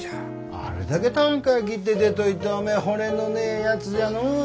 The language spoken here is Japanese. あれだけたんかあ切って出といておめえ骨のねえやつじゃのお。